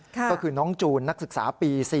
ก็คือน้องจูนนักศึกษาปี๔